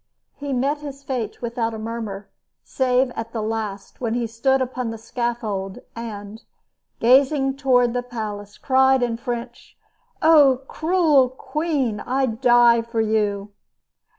He met his fate without a murmur, save at the last when he stood upon the scaffold and, gazing toward the palace, cried in French: "Oh, cruel queen! I die for you!"